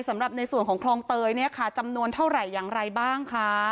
สำหรับในส่วนของคลองเตยเนี่ยค่ะจำนวนเท่าไหร่อย่างไรบ้างคะ